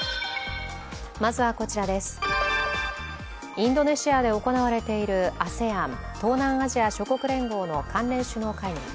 インドネシアで行われているＡＳＥＡＮ＝東南アジア諸国連合の関連首脳会議。